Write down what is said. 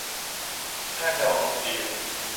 หน้าจอของทีม